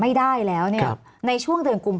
สำหรับกำลังการผลิตหน้ากากอนามัย